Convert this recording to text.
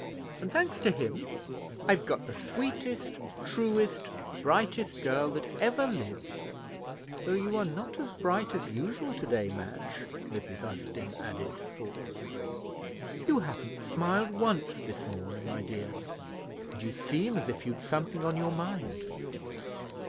And, thanks to him, I've got the sweetest, truest, brightest girl that ever lived; though you are not as bright as usual to day, Madge," Mrs. Austin added, thoughtfully. "You haven't smiled once this morning, my dear, and you seem as if you'd something on your mind."